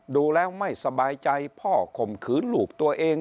ดูแล้วไม่สบายใจพ่อข่มขืนลูกตัวเอง